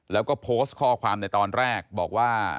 แล้วก็โพสต์ข้อความในตอนแรกบอกว่า